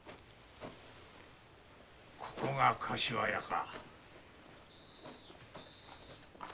ここが柏屋か。